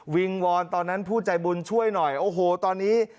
วิงวอนตอนนั้นผู้ใจบุญช่วยหน่อยโอ้โหตอนนี้